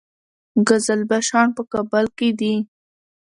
قزلباشان په کابل کې دي؟